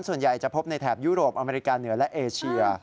ส่วนใหญ่จะพบในแถบยุโรปอเมริกาเหนือและเอเชีย